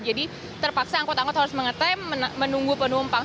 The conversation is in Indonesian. jadi terpaksa angkot angkot harus mengetem menunggu penumpang